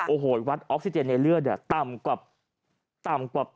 โอโฮวัดอับสร้างในเลือดต่ำกับ